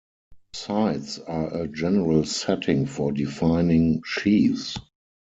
Sites are a general setting for defining sheaves.